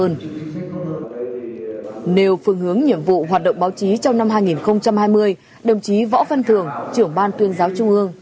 nếu phương hướng nhiệm vụ hoạt động báo chí trong năm hai nghìn hai mươi đồng chí võ văn thường trưởng ban tuyên giáo trung ương